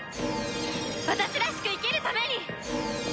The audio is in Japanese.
私らしく生きるために！